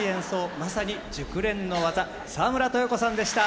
まさに熟練の技沢村豊子さんでした。